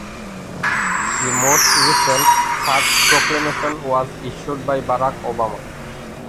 The most recent such proclamation was issued by Barack Obama.